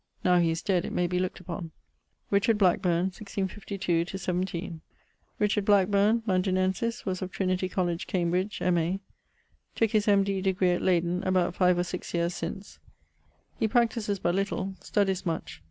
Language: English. Now he is dead, it may be look't upon. =Richard Blackbourne= (1652 17..?). Richard Blackburne, Londinensis, was of Trinity College, Cambridge, M.A. Tooke his M.D. degree at Leyden about 5 or 6 yeares since. He practises but little; studies much.